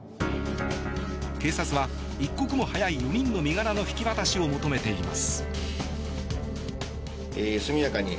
警察は一刻も早い４人の身柄の引き渡しを求めています。